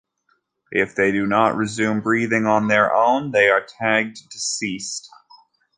If they do not resume breathing on their own they are tagged deceased.